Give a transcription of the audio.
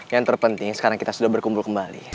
yang terpenting sekarang kita sudah berkumpul kembali